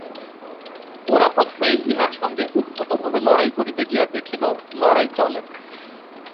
গোরা প্রথমেই ইঁহার সঙ্গে উদ্ধতভাবে লড়াই করিতে গিয়া দেখিল লড়াই চলে না।